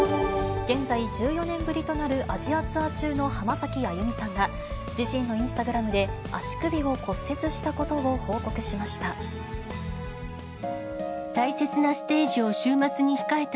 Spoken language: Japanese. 現在、１４年ぶりとなるアジアツアー中の浜崎あゆみさんが、自身のインスタグラムで、足首を骨折したことを報告しました。